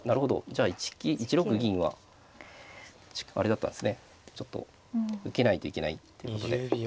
じゃあ１六銀はあれだったんですねちょっと受けないといけないってことで。